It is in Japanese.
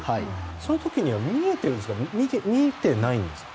そういう時には見えてるんですか見えてないんですか？